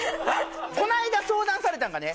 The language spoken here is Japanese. この間相談されたんがね